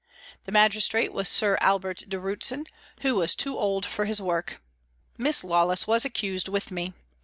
The magistrate was Sir Albert de Rutzen, who was too old for his work. Miss Lawless was accused with me.